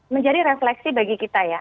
menjadi refleksi bagi kita ya